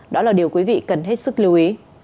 đó là điều quý vị cần hết sức lưu ý